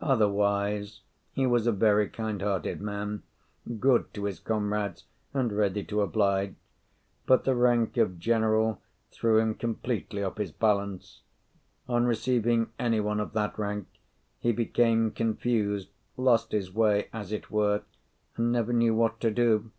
Otherwise he was a very kind hearted man, good to his comrades, and ready to oblige; but the rank of general threw him completely off his balance. On receiving any one of that rank, he became confused, lost his way, as it were, and never knew what to do.